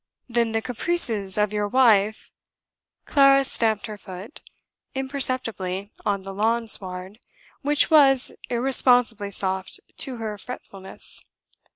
"Then the caprices of your wife ..." Clara stamped her foot imperceptibly on the lawn sward, which was irresponsively soft to her fretfulness.